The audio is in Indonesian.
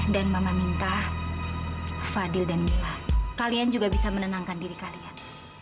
dan mama minta fadil dan mila kalian juga bisa menenangkan diri kalian